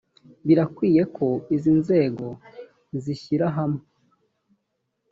birakwiye ko izi nzego zishyirahamwe.